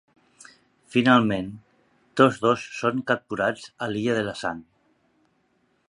Finalment, tots dos són capturats a l'Illa de la Sang.